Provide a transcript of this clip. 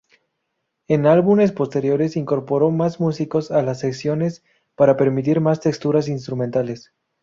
En álbumes posteriores, incorporó más músicos a las sesiones para permitir más texturas instrumentales.